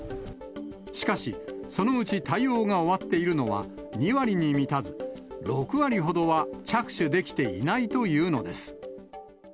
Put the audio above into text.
しかし、そのうち対応が終わっているのは、２割に満たず、６割ほどは着手できてないというのです。